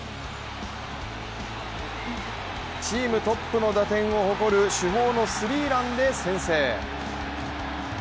チームトップの打点を誇る主砲のスリーランで先制。